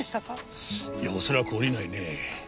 いや恐らく降りないね。